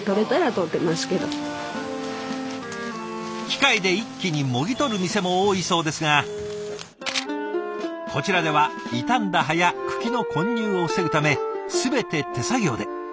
機械で一気にもぎ取る店も多いそうですがこちらでは傷んだ葉や茎の混入を防ぐため全て手作業で。